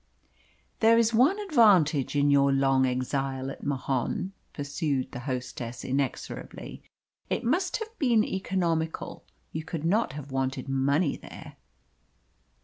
"There is one advantage in your long exile at Mahon," pursued the hostess inexorably. "It must have been economical. You could not have wanted money there."